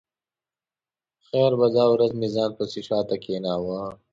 خیر په دا ورځ مې ځان پسې شا ته کېناوه.